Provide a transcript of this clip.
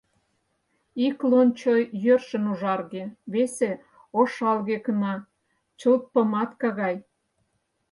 Ик лончо йӧршын ужарге, весе — ошалге-кына, чылт помадка гай.